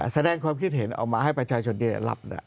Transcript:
แสดงความคิดเห็นเอามาให้ประชาชนได้รับ